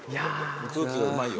空気がうまいよ。